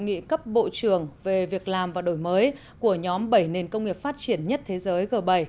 nghị cấp bộ trưởng về việc làm và đổi mới của nhóm bảy nền công nghiệp phát triển nhất thế giới g bảy